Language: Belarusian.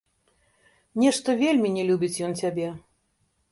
Нешта вельмі не любіць ён цябе.